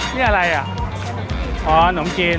นี่อะไรอะอ๋อน้ำบีน